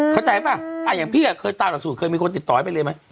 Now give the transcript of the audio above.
เข้าใจป่ะอย่างพี่เคยตามหลักสูตรเคยมีคนติดต่อให้ไปเลยไหม